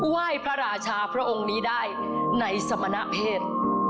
ไหว้พระราชาพระองค์นี้ได้ในสมณเพศ